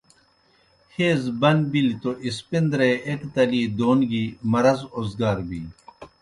حیض بن بِلیْ توْ اسپندرے ایْک تلی دون گیْ مرض اوزگار بِینیْ۔